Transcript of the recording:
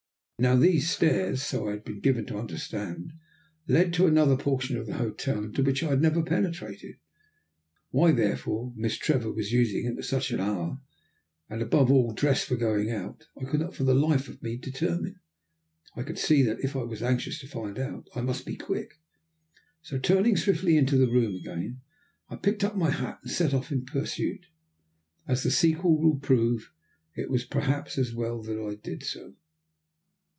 Now these stairs, so I had been given to understand, led to another portion of the hotel into which I had never penetrated. Why, therefore, Miss Trevor was using them at such an hour, and, above all, dressed for going out, I could not for the life of me determine. I could see that, if I was anxious to find out, I must be quick; so, turning swiftly into the room again, I picked up my hat and set off in pursuit. As the sequel will prove, it was, perhaps, as well that I did so.